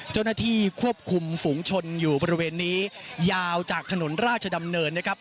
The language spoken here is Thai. เจ้าหน้าที่ควบคุมฝูงชนอยู่บริเวณนี้ยาวจากถนนราชดำเนินนะครับ